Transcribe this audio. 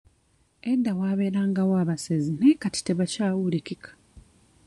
Edda waabeerangayo abasezi naye kati tebakyawulikika.